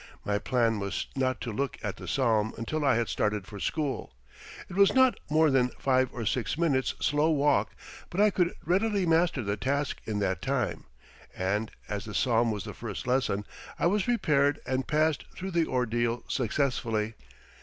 My plan was not to look at the psalm until I had started for school. It was not more than five or six minutes' slow walk, but I could readily master the task in that time, and, as the psalm was the first lesson, I was prepared and passed through the ordeal successfully.